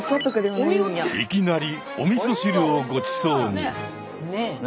いきなりおみそ汁をごちそうに。